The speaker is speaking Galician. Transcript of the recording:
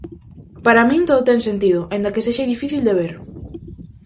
Para min todo ten sentido, aínda que sexa difícil de ver.